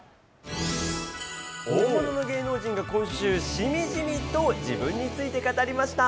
大物の芸能人が今週、しみじみと自分について語りました。